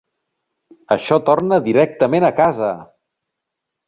Això torna directament a casa!